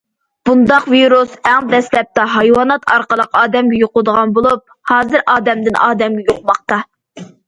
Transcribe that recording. بۇنداق ۋىرۇس ئەڭ دەسلەپتە ھايۋانات ئارقىلىق ئادەمگە يۇقىدىغان بولۇپ، ھازىر ئادەمدىن ئادەمگە يۇقماقتا.